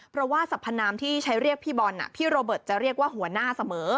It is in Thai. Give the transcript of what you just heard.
เพราะว่าสรรพนามที่ใช้เรียกพี่บอลพี่โรเบิร์ตจะเรียกว่าหัวหน้าเสมอ